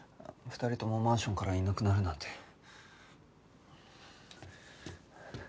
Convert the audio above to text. ２人ともマンションからいなくなるなんて。